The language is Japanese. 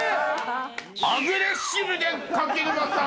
アグレッシブね柿沼さん。